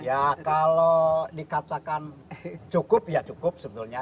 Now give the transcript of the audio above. ya kalau dikatakan cukup ya cukup sebetulnya